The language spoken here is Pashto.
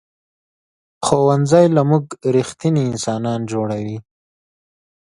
ښوونځی له موږ ریښتیني انسانان جوړوي